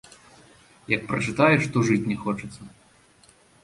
Як прачытаеш, то жыць не хочацца.